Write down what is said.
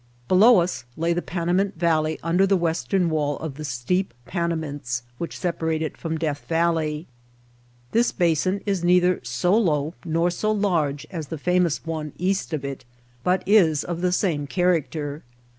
Below us lay the Panamint Valley under the western wall of the steep Panamints which separate it from Death Valley. This basin is neither so low nor so large as the famous one east of it, but is of the same character.